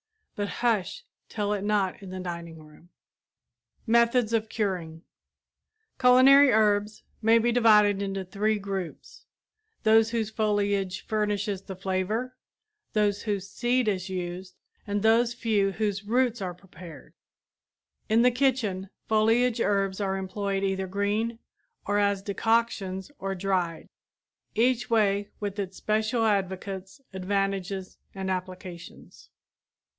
But hush, tell it not in the dining room! [Illustration: Dried Herbs in Paper and Tin] METHODS OF CURING Culinary herbs may be divided into three groups; those whose foliage furnishes the flavor, those whose seed is used and those few whose roots are prepared. In the kitchen, foliage herbs are employed either green or as decoctions or dried, each way with its special advocates, advantages and applications.